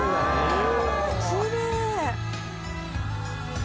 「うわーきれい！」